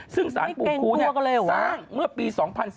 ซึ่งสารปู่ครูสร้างเมื่อปี๒๔